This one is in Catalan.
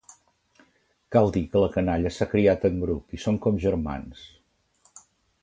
Cal dir que la canalla s'ha criat en grup i són com germans.